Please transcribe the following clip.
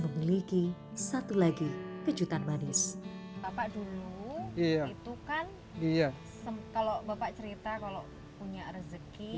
memiliki satu lagi kejutan manis bapak dulu itu kan kalau bapak cerita kalau punya rezeki